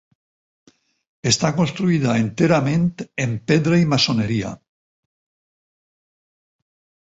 Està construïda enterament en pedra i maçoneria.